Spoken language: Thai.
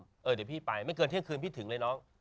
เดี๋ยวพี่ไปไม่เกินเที่ยงคืนพี่ถึงเลยน้อง